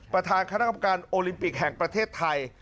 ประธานคณะกรรมการโอลิมปิกแห่งประเทศไทย